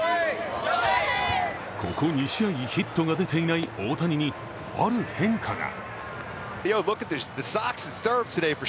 ここ２試合、ヒットが出ていない大谷に、ある変化が。